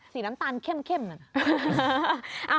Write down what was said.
สีน้ำตาลเข้มน่ะ